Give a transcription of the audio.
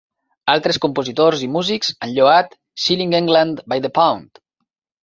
Altres compositors i músics han lloat "Selling England by the Pound".